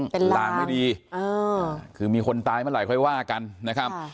เป็นลางไม่ดีคือมีคนตายเมื่อไหรค่อยว่ากันนะครับ